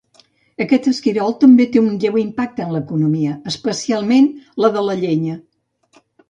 Aquest esquirol també té un lleu impacte en l'economia, especialment la de la llenya.